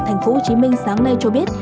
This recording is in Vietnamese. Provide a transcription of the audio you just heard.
thành phố hồ chí minh sáng nay cho biết